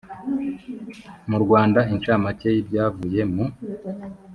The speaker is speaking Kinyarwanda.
mu rwanda incamake y ibyavuye mu